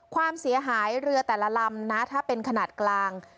ความเสียหายเรือแต่ละลำนะถ้าเป็นขนาดกลาง